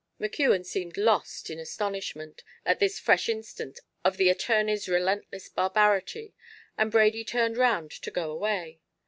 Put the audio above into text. McKeon seemed lost in astonishment, at this fresh instance of the attorney's relentless barbarity, and Brady turned round to go away.